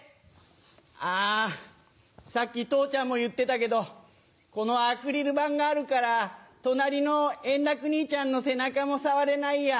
あぁさっき父ちゃんも言ってたけどこのアクリル板があるから隣の円楽兄ちゃんの背中も触れないや。